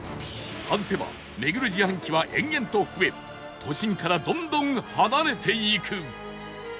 外せば巡る自販機は延々と増え都心からどんどん離れていく